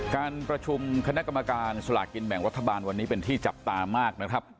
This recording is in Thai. การประชุมคณะกรรมการสลากกินแบ่งรัฐบาลวันนี้เป็นที่จับตามากนะครับ